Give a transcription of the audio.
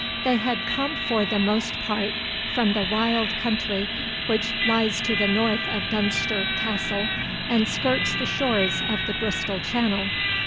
They had come for the most part from the wild country which lies to the north of Dunster Castle and skirts the shores of the Bristol Channel.